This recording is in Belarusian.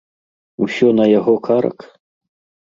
Усё на яго карак?